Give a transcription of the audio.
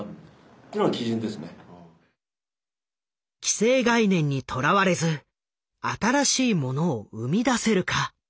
既成概念にとらわれず新しいものを生み出せるか。